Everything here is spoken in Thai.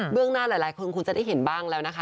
เรื่องหน้าหลายคนคงจะได้เห็นบ้างแล้วนะคะ